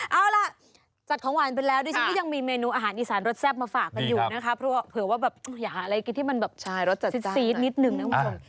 เอาล่ะจัดของหวานไปแล้วดิฉันก็ยังมีเมนูอาหารอีสานรสแซ่บมาฝากกันอยู่นะคะเพราะว่าเผื่อว่าแบบอยากหาอะไรกินที่มันแบบรสจัดซีดนิดนึงนะคุณผู้ชม